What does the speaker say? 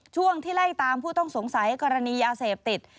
ช่วงที่ไล่ตามผู้ต้องสงสัยกรณียาเสพติด